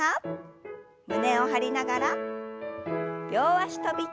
胸を張りながら両脚跳び。